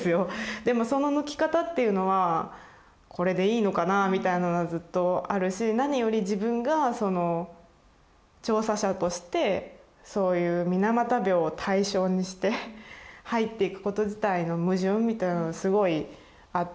でもその抜き方っていうのはこれでいいのかなぁみたいなのはずっとあるし何より自分が調査者としてそういう水俣病を対象にして入っていくこと自体の矛盾みたいなのがすごいあって。